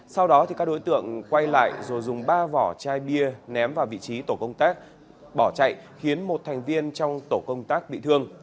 sau đó các đối tượng quay lại rồi dùng ba vỏ chai bia ném vào vị trí tổ công tác bỏ chạy khiến một thành viên trong tổ công tác bị thương